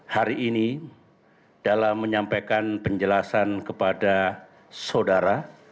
hari ini dalam menyampaikan penjelasan kepada saudara